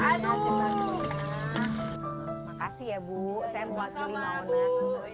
makasih ya bu saya mau waktunya di maunah